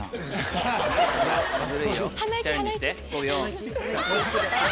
チャレンジして。